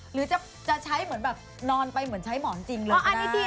หรือจะใช้เหมือนแบบนอนไปเหมือนใช้หมอนจริงเลย